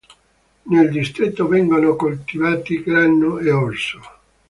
Nel distretto vengono coltivati grano e orzo.